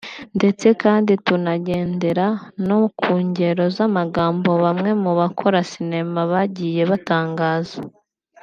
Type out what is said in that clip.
ndetse kandi tunagendera no ku ngero z’amagambo bamwe mu bakora sinema bagiye batangaza